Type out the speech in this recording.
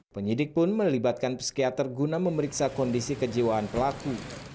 penyidik pun melibatkan psikiater guna memeriksa kondisi kejiwaan pelaku